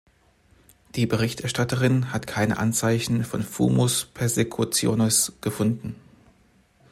Die Berichterstatterin hat keine Anzeichen von fumus persecutionis gefunden.